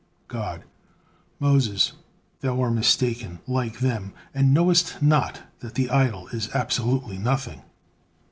God: "Moses, thou are mistaken, like them, and knowest not that the idol is absolutely nothing."